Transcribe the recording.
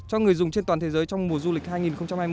cho người dùng trên toàn thế giới trong mùa du lịch hai nghìn hai mươi